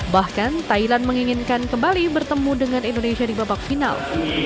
bahkan thailand menginginkan kembali bertemu dengan indonesia di babak final